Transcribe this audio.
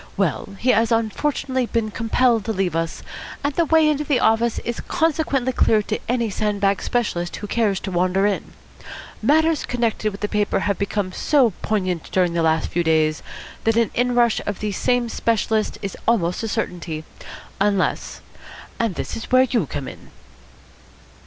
Well, he has unfortunately been compelled to leave us, and the way into the office is consequently clear to any sand bag specialist who cares to wander in. Matters connected with the paper have become so poignant during the last few days that an inrush of these same specialists is almost a certainty, unless and this is where you come in."